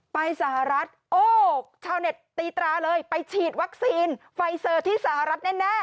ไปสหรัฐโอ้ชาวเน็ตตีตราเลยไปฉีดวัคซีนไฟเซอร์ที่สหรัฐแน่